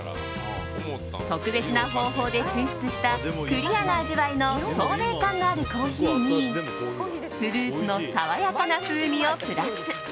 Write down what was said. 特別な方法で抽出したクリアな味わいの透明感のあるコーヒーにフルーツの爽やかな風味をプラス。